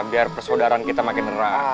biar persaudaraan kita makin nera